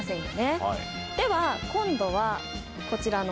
では今度はこちらの。